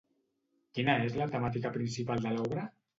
Quina és la temàtica principal de l'obra?